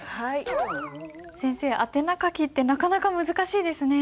先生宛名書きってなかなか難しいですね。